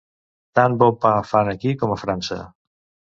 Tan bon pa fan aquí com a França.